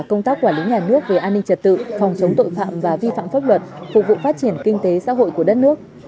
công tác quản lý nhà nước về an ninh trật tự phòng chống tội phạm và vi phạm pháp luật phục vụ phát triển kinh tế xã hội của đất nước